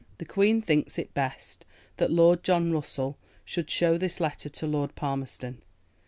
The Queen thinks it best that Lord John Russell should show this letter to Lord Palmerston."